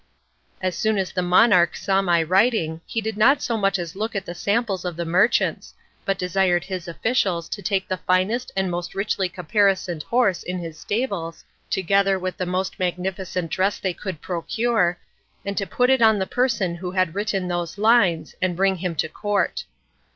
As soon as the monarch saw my writing he did not so much as look at the samples of the merchants, but desired his officials to take the finest and most richly caparisoned horse in his stables, together with the most magnificent dress they could procure, and to put it on the person who had written those lines, and bring him to court.